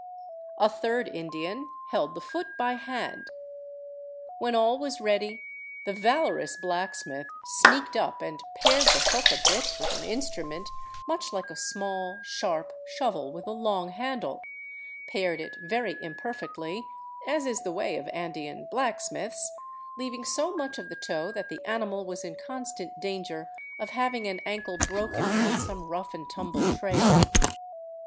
A third Indian held the foot by hand. When all was ready, the valorous blacksmith sneaked up and pared the hoof a bit with an mstrument much like a small, sharp, shovel with a long handle — pared it very imperfectly, as is the way of Andean blacksmiths, leaving so much of the toe that the animal was in constant danger of having an ankle broken on some rough and tumble trail.